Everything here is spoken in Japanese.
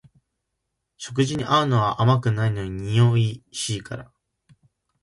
食事に合うのは甘くないのにおいしいから